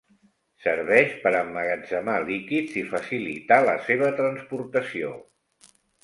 Serveix per emmagatzemar líquids i facilitar la seva transportació.